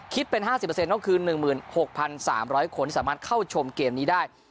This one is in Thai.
คิดเป็น๕๐เปอร์เซ็นต์ก็คือ๑๖๓๐๐คนสามารถเข้าชมเกมนี้ได้